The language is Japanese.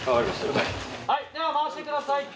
はい回してください。